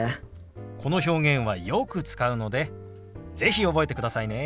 この表現はよく使うので是非覚えてくださいね。